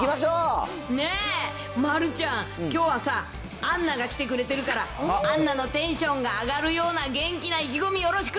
ねぇ、丸ちゃん、きょうはさ、アンナが来てくれてるから、アンナのテンションが上がるような元気な意気込みよろしく。